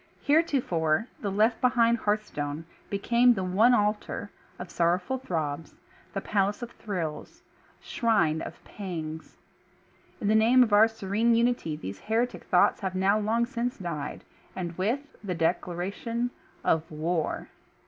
Heretofore, the left behind hearthstone became the one altar of sorrowful throbs, the palace of thrills, shrine of pangs. In the name of our serene unity these heretic thoughts have now long since died, and with the declaration of WAR.